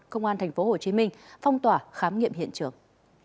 công an thành phố hồ chí minh phong tỏa khám nghiệm hiện trường